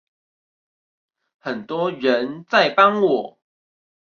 很多人在幫我